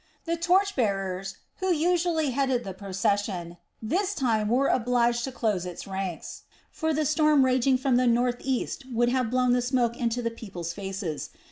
The torch bearers who usually headed the procession this time were obliged to close its ranks, for the storm raging from the northeast would have blown the smoke into the people's faces.